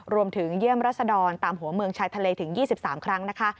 รวมถึงเยี่ยมรัศดรตามหัวเมืองชายทะเลถึง๒๓ครั้งนะคะ